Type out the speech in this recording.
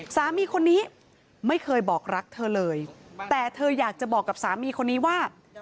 สามีคนนี้ไม่เคยบอกรักเธอเลยแต่เธออยากจะบอกกับสามีคนนี้ว่า